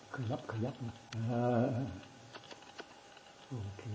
ขยับขยับขยับ